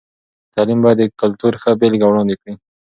تعلیم باید د کلتور ښه بېلګه وړاندې کړي.